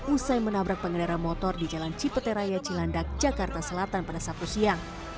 usai menabrak pengendara motor di jalan cipeteraya cilandak jakarta selatan pada sabtu siang